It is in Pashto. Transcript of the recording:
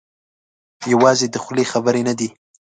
یوازې د خولې خبرې نه دي.